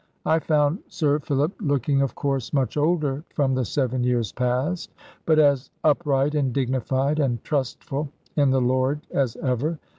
I found Sir Philip looking of course much older from the seven years past, but as upright and dignified, and trustful in the Lord as ever.